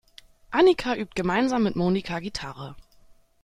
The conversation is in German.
Annika übt gemeinsam mit Monika Gitarre.